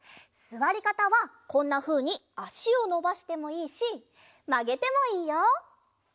すわりかたはこんなふうにあしをのばしてもいいしまげてもいいよ！